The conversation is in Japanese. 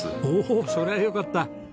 おおそれはよかった。